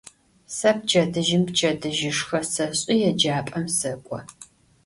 Se pçedıjım pçedıjışşxe seş'ı, yêcap'em sek'o.